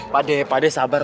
pak d pak d sabar